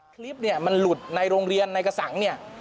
คลิปมันหลุดในโรงเรียนในกษัง